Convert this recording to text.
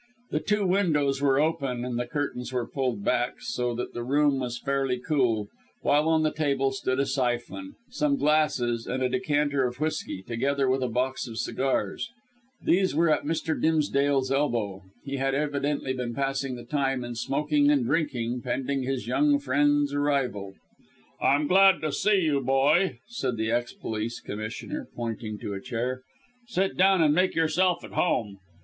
The two windows were open and the curtains were pulled back, so that the room was fairly cool, while on the table stood a syphon, some glasses and a decanter of whisky, together with a box of cigars. These were at Mr. Dimsdale's elbow. He had evidently been passing the time in smoking and drinking pending his young friend's arrival. "I'm glad to see you, boy," said the ex police commissioner, pointing to a chair. "Sit down and make yourself at home.